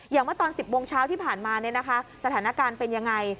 อย่างเมื่อตอน๑๐วงเช้าที่ผ่านมานะคะสถานการณ์เป็นยังไง